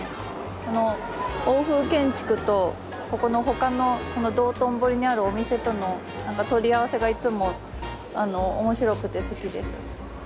この欧風建築とここの他のこの道頓堀にあるお店との取り合わせがいつも面白くて好きです。